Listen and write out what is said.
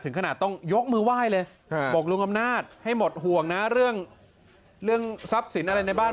ขนาดต้องยกมือไหว้เลยบอกลุงอำนาจให้หมดห่วงนะเรื่องทรัพย์สินอะไรในบ้าน